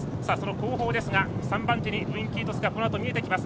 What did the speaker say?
後方ですが３番手にウインキートスが見えてきます。